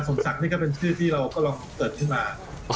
ศักดิ์นี่ก็เป็นชื่อที่เราก็ลองเกิดขึ้นมา